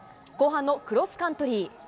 後半のクロスカントリー。